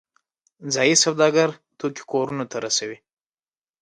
ځایی سوداګر توکي کورونو ته رسوي